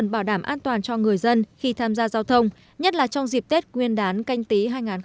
bảo đảm an toàn cho người dân khi tham gia giao thông nhất là trong dịp tết nguyên đán canh tí hai nghìn hai mươi